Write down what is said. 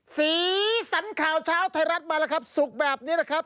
สีสันข่าวเช้าไทยรัฐมาแล้วครับศุกร์แบบนี้นะครับ